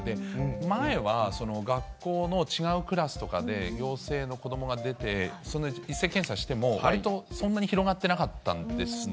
前は学校の違うクラスとかで、陽性の子どもが出て、一斉検査しても、わりとそんなに広がってなかったんですね。